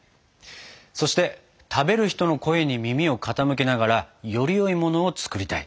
そして食べる人の声に耳を傾けながらよりよいものを作りたい。